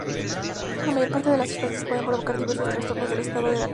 La mayor parte de las sustancias pueden provocar diversos trastornos del estado de ánimo.